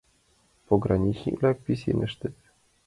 Пограничник-влак писештыныт.